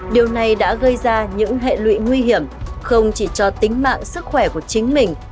điều này đã gây ra những hệ lụy nguy hiểm không chỉ cho tính mạng sức khỏe của chính mình